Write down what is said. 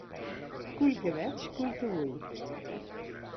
Cul que veig, cul que vull.